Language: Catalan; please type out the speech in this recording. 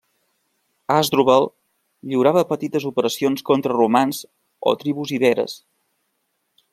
Àsdrubal lliurava petites operacions contra romans o tribus iberes.